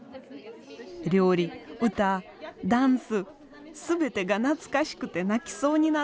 料理歌ダンス全てが懐かしくて泣きそうになった。